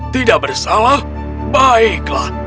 tidak bersalah baiklah